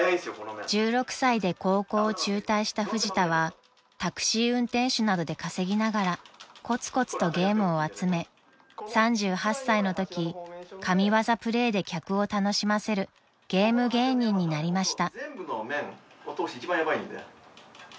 ［１６歳で高校を中退したフジタはタクシー運転手などで稼ぎながらこつこつとゲームを集め３８歳のとき神業プレイで客を楽しませるゲーム芸人になりました］